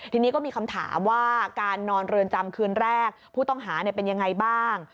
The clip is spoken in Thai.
ทีนี้ก็มีคำถามว่าการนอนเรือนจำคืนแรกผู้ต้องหาเป็นยังไงบ้าง